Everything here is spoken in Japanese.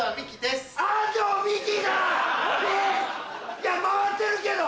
いや回ってるけど！